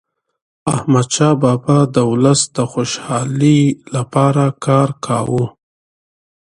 احمدشاه بابا د ولس د خوشحالیلپاره کار کاوه.